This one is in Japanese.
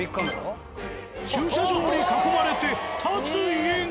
駐車場に囲まれて建つ家が。